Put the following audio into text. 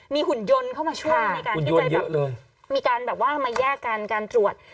มีหุ่นยนต์เข้ามาช่วยในการที่จะแบบมีการแบบว่ามาแยกกันการตรวจ